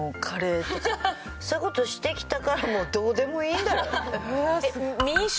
そういう事してきたからもうどうでもいいんだろうね。